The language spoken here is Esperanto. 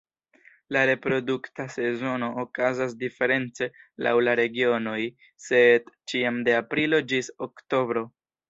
La reprodukta sezono okazas diference laŭ la regionoj, sed ĉiam de aprilo ĝis oktobro.